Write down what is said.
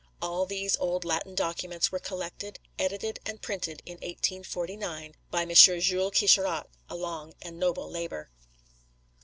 All these old Latin documents were collected, edited, and printed, in 1849, by Monsieur Jules Quicherat, a long and noble labor.